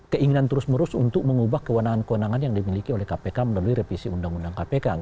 keinginan terus menerus untuk mengubah kewenangan kewenangan yang dimiliki oleh kpk melalui revisi undang undang kpk